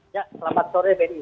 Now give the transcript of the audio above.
ya selamat sore benny